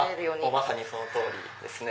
まさにその通りですね。